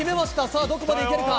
さあ、どこまでいけるか。